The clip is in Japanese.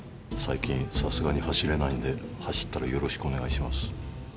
最近さすがに走れないんで走ったらよろしくお願いします。